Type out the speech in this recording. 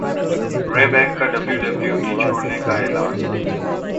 رے بیک کا ڈبلیو ڈبلیو ای چھوڑنے کا اعلان